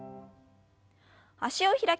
脚を開きます。